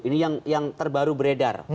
ini yang terbaru beredar